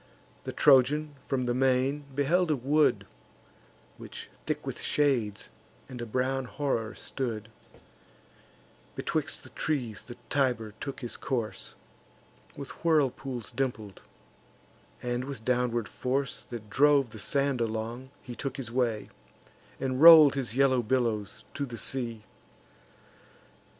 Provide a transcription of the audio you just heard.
The Trojan, from the main, beheld a wood, Which thick with shades and a brown horror stood: Betwixt the trees the Tiber took his course, With whirlpools dimpled; and with downward force, That drove the sand along, he took his way, And roll'd his yellow billows to the sea.